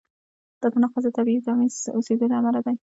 دا تناقض د تبعیض آمیز اوسېدو له امله دی.